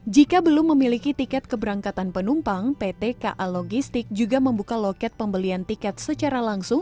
jika belum memiliki tiket keberangkatan penumpang pt ka logistik juga membuka loket pembelian tiket secara langsung